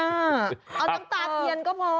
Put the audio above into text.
เอาน้ำตาเทียนก็พอ